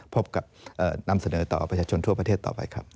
นำเสนอต่อประชาชนทั่วประเทศต่อไปครับ